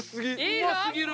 うま過ぎる！